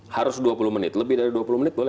harus dua puluh menit lebih dari dua puluh menit boleh